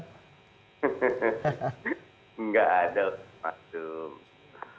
hehehe nggak ada paduh